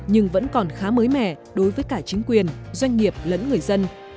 nhưng vẫn còn khá mới mẻ đối với cả chính quyền doanh nghiệp lẫn người dân